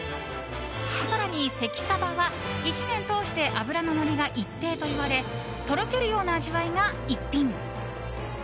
更に、関さばは１年通して脂ののりが一定といわれとろけるような味わいが逸品。